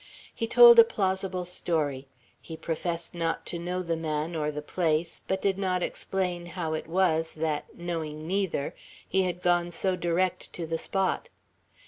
He told a plausible story. He professed not to know the man, or the place; but did not explain how it was, that, knowing neither, he had gone so direct to the spot.